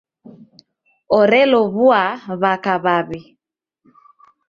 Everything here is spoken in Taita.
Orelow'ua w'aka w'aw'i.